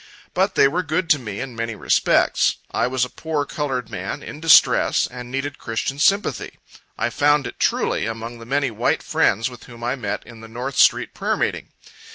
But they were good to me in many respects. I was a poor colored man, in distress, and needed christian sympathy. I found it truly, among the many white friends with whom I met in the North street prayer meeting.